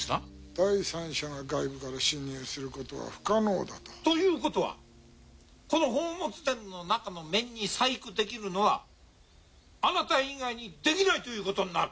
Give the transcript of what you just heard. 第三者が外部から侵入することは不可能だと。ということはこの宝物殿の中の面に細工できるのはあなた以外にできないということになる。